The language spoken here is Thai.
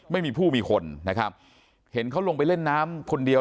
ไม่มีผู้มีคนนะครับเห็นเขาลงไปเล่นน้ำคนเดียว